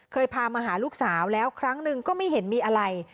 พามาหาลูกสาวแล้วครั้งหนึ่งก็ไม่เห็นมีอะไร